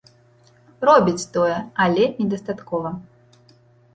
Робіць тое, але недастаткова.